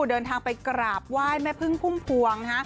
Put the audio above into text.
เดินทางไปกราบไหว้แม่พึ่งพุ่มพวงนะฮะ